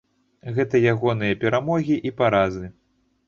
Гэта ягоныя перамогі і паразы.